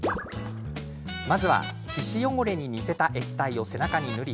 まずは皮脂汚れに似せた液体を背中に塗り